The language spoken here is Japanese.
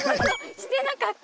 してなかった！